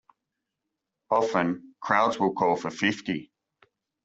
Often, crowds will call for fifty!